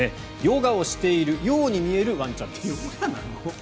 ヨガをしているように見えるワンちゃんです。